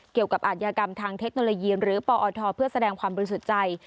อาทยากรรมทางเทคโนโลยีหรือปอทเพื่อแสดงความบริสุทธิ์ใจ